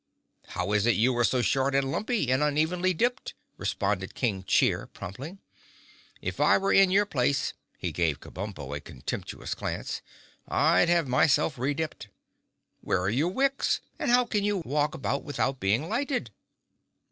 "How is it you are so short and lumpy and unevenly dipped?" responded King Cheer promptly. "If I were in your place," he gave Kabumpo a contemptuous glance, "I'd have myself redipped. Where are your wicks? And how can you walk about without being lighted?"